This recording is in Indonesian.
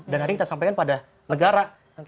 dan hari ini kita sampaikan pada negara